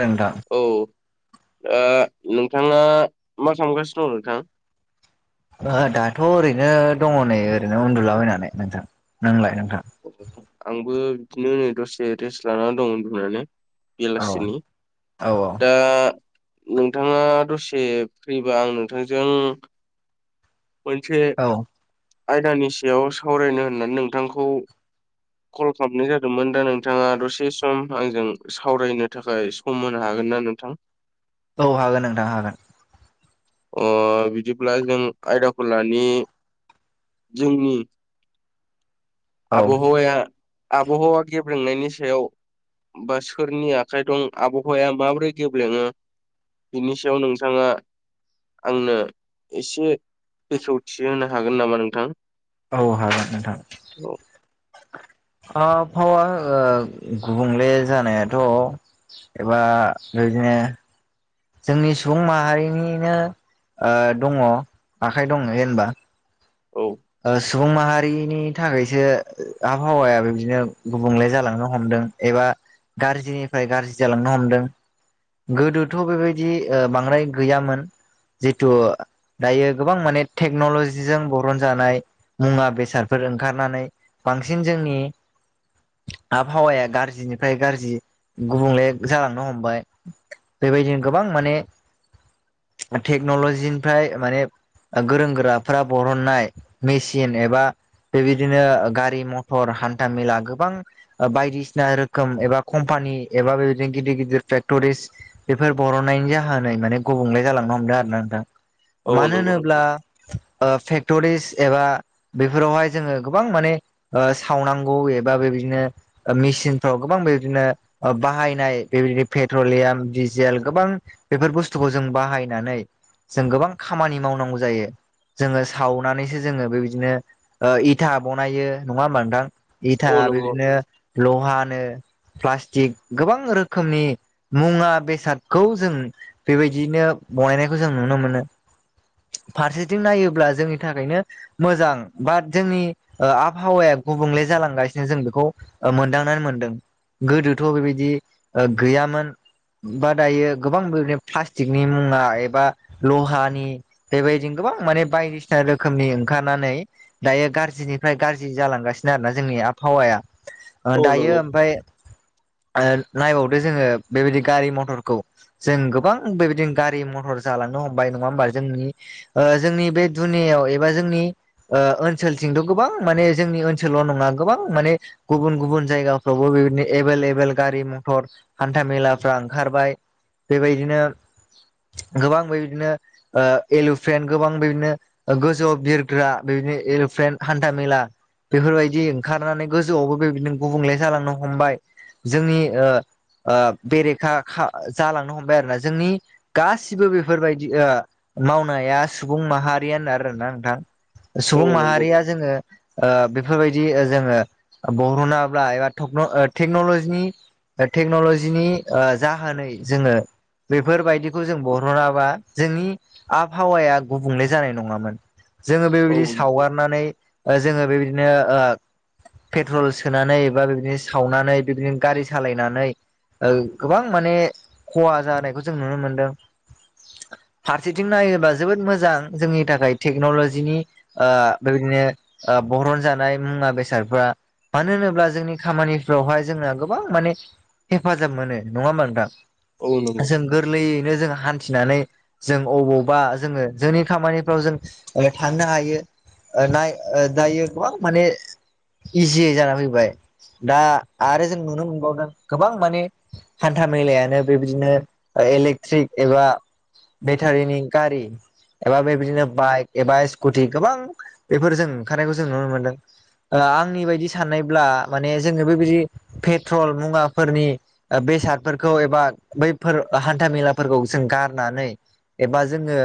रदा औ नोंथाङा मा थगासिनो दं नोंथां दाथ' ओरैनो दङ नै ओरैनो उन्दुलाबायैनानै नोंथां नोंलाय नोंथ आंबो बिदिनो नै दसे रेस्ट लानानै दं बुंनानै औ बेलासिनि औ दा नोंथाङा दसे फैबा आं नोंथांजों मोनसे औ आयदानि सायाव सावरायनो होननानै नोंथांखौ कल खालामनाय जादोंमोन दा नोंथाङा दसे सम आंजों सावरायनो थाखाय सम होनो हागोन जागोन ना नोंथां औ हागोन नोंथां हागोन बिदिब्ला जों आयदाखौ लानानै जोंनि। औ आबहावाया आबहावा गेब्रेंनायनि सायाव बा सोरनि आखाइ दं आबहावाया माबोरै गेब्लेङो बिनि सायाव नोंथाङा आंनो एसे बेखेवथि होनो हागोन नामा नोंथां औ हागोन नोंथां औ फावा गुबुंले जानायाथ' एबा बिदिनो जोंनि सुबुं माहारिनिनो ओ दङ आखाइ दङ जेनबा औ ओ सुबुं माहारि नि थाखायसो आबहावाया बिदिनो गुबुंले जालांनो हमदों एबा गाज्रिनिफ्राय गाज्रि जालांनो हमदों गोदोथ' बेबायदि ओ बांद्राय गैयामोन जिथु दायो गोबां माने टेक्नलजिजों बरन जानाय मुवा बेसादफोर ओंखारनानै बांसिन जोंनि आबहावाया गाज्रिनिफ्राय गाज्रि गुबुंले जालांनो हमबाय बेबायदिनो गोबां माने टेक्नलजिनिफ्राय माने गोरों गोराफ्रा बरननाय मेचिन एबा बेबायदिनो गारि मथर हान्था मेला गोबां बायदिसिना रोखोम एबा कम्पानि एबा बेबायदिनो गिदिर गिदिर फेक्ट'रिस बेफोर बर'नायनि जाहोनै माने गुबुंले जालांनो हमदों आरोना नोंथां औ मानो नंगौ होनोब्ला नोंथां ओ फेक्टरिस एबा बेफोरावहाय जोङो गोबां माने ओ सावनांगौ एबा बेबायदिनो मे सिनफ्राव गोबां बेबादिनो ओ बाहायनाय बेबादिनोे पेट्रलियाम दिजेल गोबां बेफोर बुसथुखौ जों बाहायनानै जों गोबां खामानि मावनांगौ जायो जोङो सावनानै जोङो बेबायदिनो ओ इथा बनायो नङा होमबा नोंथां इथा औ नंगौ बेदिनो लहानो प्लास्टिक गोबां रोखोमनि मुवा बेसादखौ जों बेबायदिनो बनायनायखौ जों नुनो मोनो फारसेथिं नायोब्ला जोंनि थाखायनो मोजां बाट जोंनि आबहावाया गुबुंले जालांगासिनो जों बेखौ मोनदां मोनदों गोदोथ' बेबायदि गैयामोन बा दायो गोबां बेदिनो प्लास्टिकनि मुवा एबा लहानि बेबायदि गोबां मान बायदिसिना रोखोमनि ओखारानानै दायो गाज्रिनिफ्राय गाज्रि जालांगासिनो आरो ना जोंनि आबहावाया ओ औ दायो नंगौ ओमफाय ओ नायबावदो जोङो बेबायदि गारि मथरखौ जों गोबां बेबायदिनो गारि मथर जालांनो हमबाय नङा होमबा जोंनि ओ जोंनि बे दुनियाव एबा जोंनि ओ ओनसोलथिंथ' गोबां माने जोंनि ओनसोलाव नङा गोबां माने गुबुन गुबुन जायगाफ्रावबो बेबादिनो एबेल एबेल गारि मथर हान्था मेलाफ्रा ओंखारबाय बेबायदिनो गोबां बेबायदिनो एल'फेन्ट गोबां बेदिनो गोजौ बिरग्रा बेनो एल'फ्रेन हान्था मेला बेफोरबायदि ओंखारनानै गोजौआवबो बेबायदिनो गुबुंले जालांनो हमबाय जोंनि ओ ओ बेरेखा खा जालांनो हमबाय आरोना जोंनि गासिबो बेफोरबायदि ओ मावनाया सुबुं माहारि होना आरोना आं औ सुबुं नंगौ माहारिया जोङो ओ बेफोरबायदि जोङो बरह'नाब्ला एबा टेक्न'लजिनि टेक्न'लजिनि ओ जाहोनै जोङो बेफोरबायदिखौ जों बरनाबा जोंनि आबहावाया गुबुंले जानाय नङामोन जोङो औ बेबायदि सावगारनानै जोङो बेबायदिनो ओ पेट्रल सोनानै बा बिदि सावनानै बिदिनो गारि सालायनानै ओ गोबां माने खहा जानायखौ जों नुनो मोनदों। फारसेथिं नायोबा जोबोद मोजां जोंनि थाखाय टेक्न'लजि जिनि ओ बेबायदिनो बरन जानाय मुवा बेसादफ्रा मानो होनोब्ला जोंनि खामानिफ्रावहाय जोंना गोबां माने हेफाजाब मोनो नङा होमबा नोंथां। औ नंगौ जों गोरलैयैनो जोंहा हान्थिनानै जों अबावबा जोङो जोंनि खामानिफ्राव जों ओ थांनो हायो ओ नाय ओ दायो गोबां माने इजियै जाना फैबाय। दा आरो जों नुनो मोनबावदों गोबां माने हान्था मेलायानो बेबायदिनो इलेकट्रिक एबा बेटारिनि गारि एबा बेबायदिनो बाइक एबा स्कुटि गोबां बेफोर जों ओंखारनायखौ जों नुनो मोनदों। आंनि बायदि सान्नायब्ला माने जोनोबो बिदि पेट्रल मुवाफोरनि ओ बे बेसादफोरखौ एबा बैफोर हान्था मेलाफोरखौ जों गारनानै एबा जोङो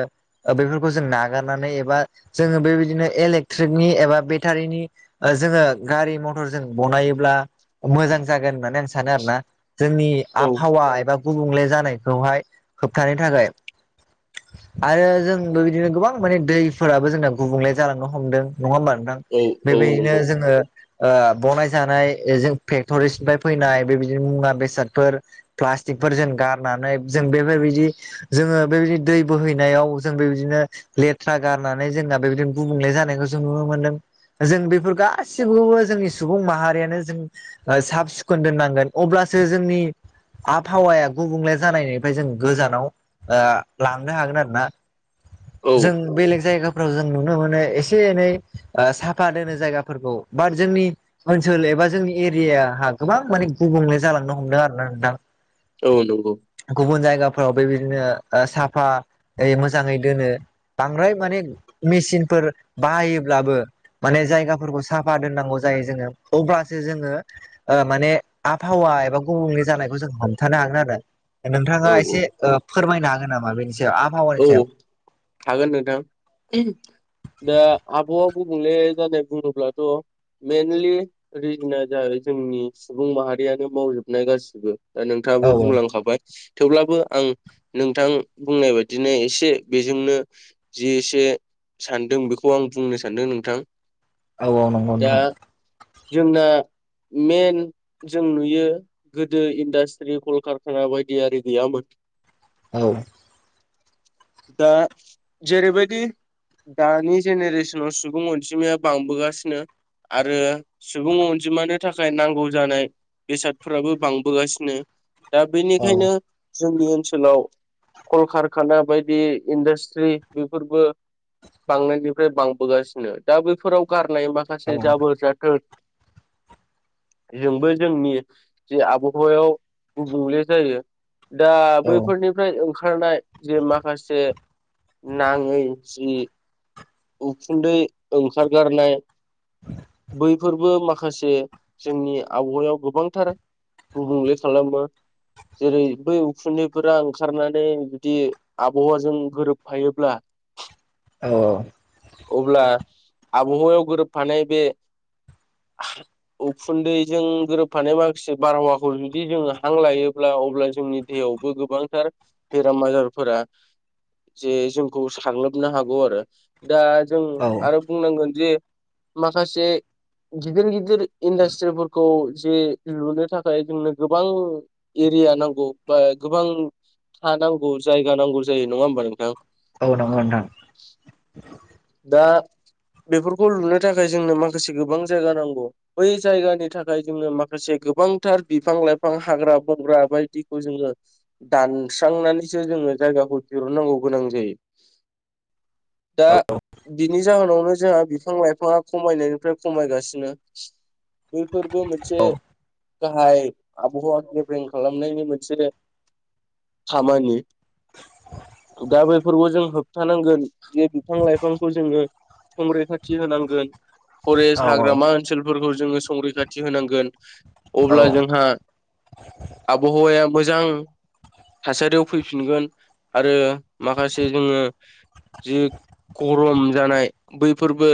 बेफोरखौ जों नागारनानै एब एबा जोङो बेबायदिनो इलेकट्रिकनि एबा बेटारिनि ओ जोङो गारि मथर जों बानायोब्ला मोजां जागोन होन्नानै आं सानो आरोना जोंनि औ आबहावा एबा गुबुंले जानायखौहाय होबथानो थाखाय आरो जोंबो बिदिनो गोबां माने दै फोराबो जोंना गुबुंले जालांनो हमदों नङा होमबा नोंथां औ औ बेबायदिनो नंगौ जोङो ओ बनायजानायजों फेक्टरिसनिफ्राय फैनाय बेबायदिनो मुवा बेसादफोर प्लास्टिकफोर जेन गारनानै जों बेफोरबायदि जोङो बेबायदि दै बोहैनायाव जों बेबायदिनो लेथ्रा गारनानै जोंना बेबायदिनो गुबुंले जानायखौ जों नुनो मोनदों जों बेफोर गासिखौबो जोंनि सुबुं माहारियानो जों साब सिखोन दोननांगोन अब्लासो जोंनि आबहावाया गुबुंले जानायनिफाय जों गोजानाव ओ लांनो हागोन आरोना। औ जायगाफोराव जों नुनो मोन एसे एनै साफा दोनो जायगाफोरखौ बात जोंनि ओनसो सोल एबा जोंनि एरियाआ गोबां माने गुबुंले जालांनो हमदों आरोना नोंथां। औ नंगौ गुबुन जायगाफोराव बेबाय दिनो ओ साफायै मोजाङै दोनो बांद्राय माने मेसिनफोर बाहायोब्लाबो माने जायगाफोरखौ साफा दोननांगौ जायो जोङो अब्लासो जोङो ओ माने आबहावा एबा गुबुंले जानायखौ जों हमथानो हागोन आरो नोंथाङा औ औ एसे ओ फोरमायनो हागोन नामा बेनि सायाव आबहावानि औ सायाव हागोन नोंथां। दा आबहावा गुबुंले जानाय बुङोब्लाथ' मेनलि रिजोना जाबाय जोंनि सुबुं माहारियानो मावजोबनाय गासिबो ओ नोंथाङाबो औ बुंलांखाबाय थेवब्लाबो आं नोंथां बुंनाय बायदि दिनै एसे बेजोंनो जि एसे सान्दों बेखौ आं बुंनो सान्दों नोंथां। औ औ नांगौ दा नोंथां। जोंना मेन जों नुयो गोदो इन्डास्ट्रि कलकारखाना बायदि आरि गैयामोन औ दा जेरैबायदि दानि जेनेरेसनाव सुबुं अन्जिमाया बांबोगासिनो आरो सुबुं अन्जिमानो थाखाय नांगौ जानाय बेसादफोराबो बांबोगासिनो दा औ बेनिखायनो जोंनि ओनसोलाव कलखार खाना बायदि इन्डास्ट्रि बेफोरबो बांनायनिफ्राय बांबोगासिनो दा बैफोराव गारनाय औ माखासे जाबोर जाथोर [inaudible] जोंबो जोंनि जि आबहावायाव गुबुंले जायो दा बैफोरनिफ्राय ओंखारनाय जे माखासे नाङै जि उखुन्दै ओंखारगारनाय बैफोरबो माखासे जोंनि आबहावायाव गोबांथार गुबुंले खालामो जेरै बै उखुन्दैफोरा ओंखारनानै जुदि आबहावाजों गोरोबफायोब्ला अ। अब्ला आबहायाव गोरोबफानाय बे उखुन्दैजों गोरोबफानाय माखासे बारहावाखौ जुदि जोङो हां लायोब्ला अब्ला जोंनि देहायावबो गोबांथार बेराम आजारफोरा जे जोंखौ साग्लोबनो हागौ आरो दा जों औ आरो बुंनांगोन जे माखासे गिदिर गिदिर इन्डास्ट्रिफोरखौ जे लुनो थाखाय जोंनो गोबां ए एरिया नांगौ बा गोबां हा नांगौ जायगा नांगौ जायो नङा होमबा नोंथां? औ नंगौ नोंथां। दा बेफोरखौ लुनो थाखाय जोंनो माखासे गोबां जायगा नांगौ बै जायगानि थाखाय जोंनो माखासे गोबांथार बिफां लाइफां हाग्रा बंग्रा बायदिखौ जोङो दानस्रांनानैसो जोङो जायगाखौ दहुननांगौ गोनां जायो। [inaudible] दा बिनि जाहोनावनो जोंहा बिफां लाइफाङा खमायनायनिफ्राय खमायगासिनो बयफोरबो मोनसे औ गाहाय आबहावा गेब्रेें खालामनायनि मोनसे खामानि दा बैफोरखौ जों होबथानांगोन जे बिफां लाइफां फांखौ जोङो संरैखाथि होनांगोन। फरेस्ट औ हाग्रामा ओनसोलफोरखौ जोङो संरैखाथि होनांगोन औ अब्ला जोंहा आबहावाया मोजां थासारियाव फैफिनगोन आरो माखासे जोङो जि गरम जानाय बैफोरबो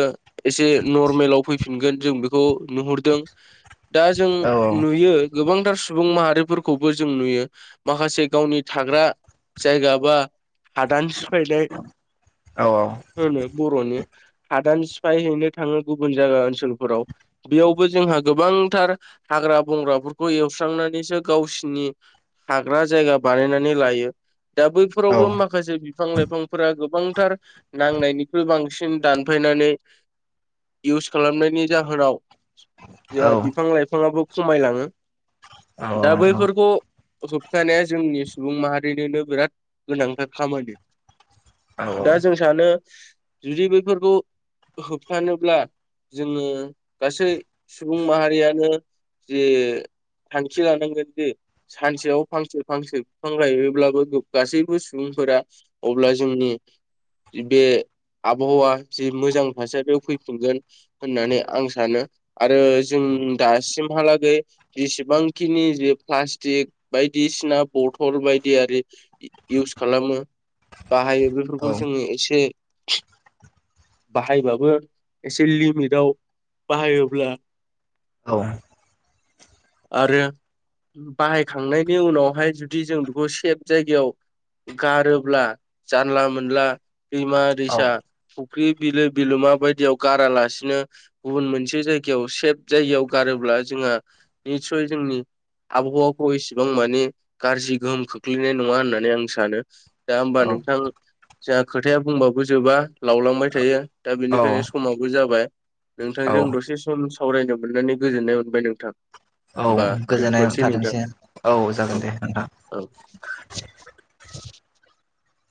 एसे नरमेलाव फैफिनगोन जों बेखौ नुहुरदों दा जों औ नुयो गोबांथार सुबुं माहारिफोरखौबो जों नुयो माखासे गावनि थाग्रा जायगा बा हादान सिफायनाय औ होनो बर'नि हादान सिफायैनो थाङो गुबुन जायगा ओनसोलफोराव बेयावबो जोंहा गोबां गोबांथार हाग्रा बंग्राफोरखौ एवस्रांनानैसो गावसिनि थाग्रा जायगा बानायनानै लायो। दा औ बैफोरावबो माखासे बिफां लाइफांफोरा गोबांथार नांनायनिख्रुय बांसिन दानफायनानै इउस खालामनायनि जाहोनाव औ जोंहा बिफां लाइफाङाबो खमायलाङो दा नंगौ बैफोरखौ होफथानाया जोंनि सुबुं माहारिनिनो बिराद गोनांथार खामानि। औ औ। दा जों सानो जुदि बैफोरखौ होबथानोब्ला जोङो गासै सुबुं माहारियानो जे थांखि लानांगोन जे सानसेयाव फांसे फांसे बिफां गायोब्लाबो गासैबो सुबुं फोरा अब्ला जोंनि बे आबहावा जि मोजां थासारियाव फैफिनगोन होननानै आं सानो आरो जों दासिमहालागै जेसेबांखिनि जे प्लासटिक बायदिसिना बथल -थल बायदियारि इउस खालामो बाहायो बैफोरखौ जोङो से बाहायबाबो एसे लिमिटाव बाहायोब्ला औ आरो बाहायखांनायनि उनावहाय जुदि जों बेखौ सेफ जायगायाव गारोब्ला जानला मोनला दैमा दैसा फुख्रि बिलो बिलोमा बायदियाव गारालासिनो गुबुन मोनसे जाय -गायाव सेब जायगायाव गारोब्ला जोंहा निसय जोंनि आबहावाखौ एसेबां माने गाज्रि गोहोम खोख्लैनाय नङा होननानै आं सानो दा होमबा औ नोंथां जा खोथाया बुंबाबो जोबा लावलांबाय थायो दा औ बेनिखायनो समाबो जाबाय नोंथांजों दसे सम सावरायनो मोननानै गोजोननाय मोनबाय नोंथां होमबा गोजोननाय दोनथ'सै नोंथां थाथोंसै जागोन औ दे नोंथां औ [inaudible]